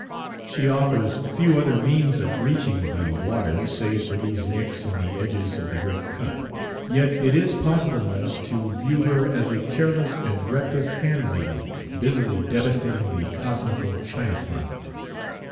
She offers few other means of reaching the water save for these nicks in the edges of the great cup; yet it is possible enough to view her as a careless and reckless handmaiden busily devastating the cosmical china closet.